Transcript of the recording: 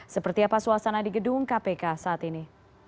seperti apa suasana di gedung kpk saat ini